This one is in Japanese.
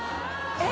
えっ。